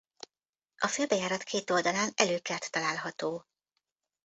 A főbejárat két oldalán előkert található.